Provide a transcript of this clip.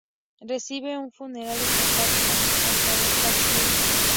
Recibe un funeral estatal con un ataúd vacío.